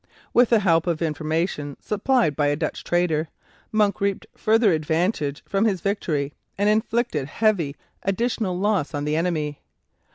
With the help of information supplied by a Dutch traitor, Monk reaped further advantage from his victory and inflicted heavy additional loss on the enemy.